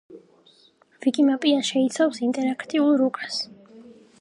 ვიკიმაპია შეიცავს ინტერაქტიულ რუკას.